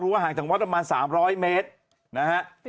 ห่างจากวัดประมาณ๓๐๐เมตรนะฮะ